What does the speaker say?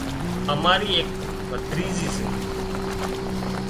اماري ايڪ ڀتريزِي سي